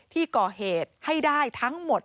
ที่ก่อเหตุให้ได้ทั้งหมด